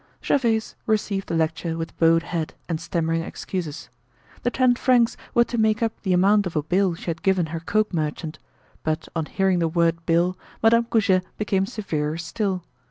Gervaise received the lecture with bowed head and stammering excuses. The ten francs were to make up the amount of a bill she had given her coke merchant. But on hearing the word "bill," Madame Goujet became severer still.